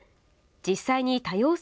実際に多様性